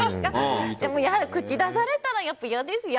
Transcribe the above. でも、口出されたらやっぱり嫌ですよ。